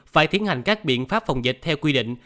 phải tiến hành các biện pháp phòng dịch theo quy định